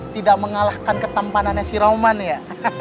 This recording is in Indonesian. tidak mengalahkan ketempanannya si roman ya